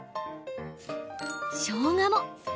しょうがも。